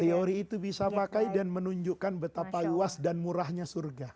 teori itu bisa pakai dan menunjukkan betapa luas dan murahnya surga